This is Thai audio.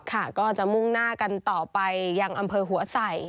ค่ะก็จะมุ่งหน้ากันต่อไปยังอำเภอหัวใส่